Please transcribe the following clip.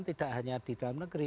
tidak hanya di dalam negeri